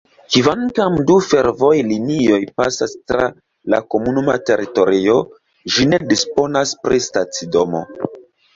Kvankam du fervojlinioj pasas tra la komunuma teritorio, ĝi ne disponas pri stacidomo.